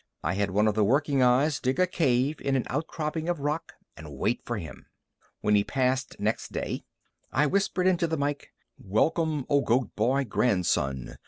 I had one of the working eyes dig a cave in an outcropping of rock and wait for him. When he passed next day, I whispered into the mike: "Welcome, O Goat boy Grandson!